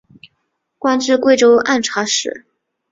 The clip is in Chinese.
官至贵州按察使。